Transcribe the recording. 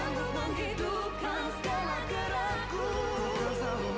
yang sanggup menghidupkan segala keraku